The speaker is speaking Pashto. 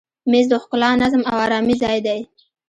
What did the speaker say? مېز د ښکلا، نظم او آرامي ځای دی.